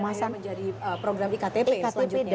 kemudian menjadi program di ktp selanjutnya